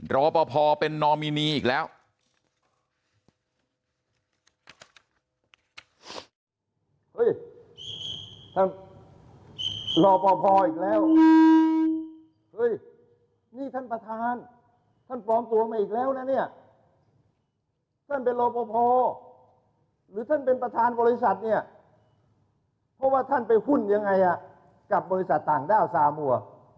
รอปภเป็นนอมินีอีกแล้ว